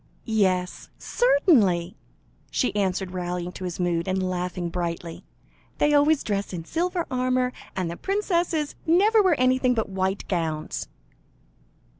"Yes, certainly," she answered, rallying to his mood, and laughing brightly; "they always dress in silver armour, and the princesses never wear anything but white gowns."